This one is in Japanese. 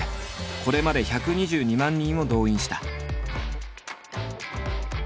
これまで１２２万人を動員した。